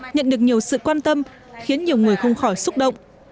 nhận được nhiều sự quan tâm khiến nhiều người không khỏi xúc động